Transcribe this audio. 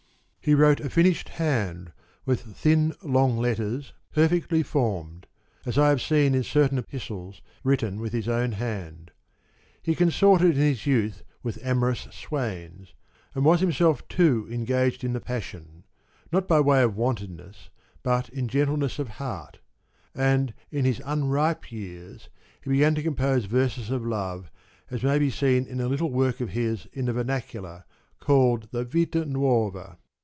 He wrote a finished hand, with thin long letters perfectly formed, as I have seen in certain epistles written with his own hand. He consorted in his youth with amorous swains, and was himself too engaged in the passion, not by way of wantonness but in gentleness of heart ; and in his unripe years he began to compose verses of love as may be seen in a little work of his in the vernacular, called the Vita liuova.